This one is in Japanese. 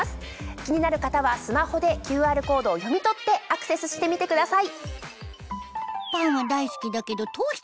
気になる方はスマホでＱＲコードを読み取ってアクセスしてみてください。